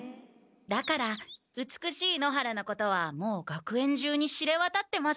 だから美しい野原のことはもう学園中に知れわたってます。